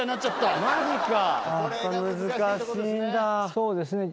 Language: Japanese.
そうですね。